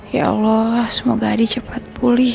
ya allah semoga adi cepat pulih